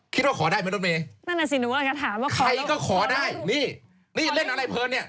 คิดว่าขอได้มั้ยรถเมย์ใครก็ขอได้นี่เล่นอะไรเพลินเนี่ย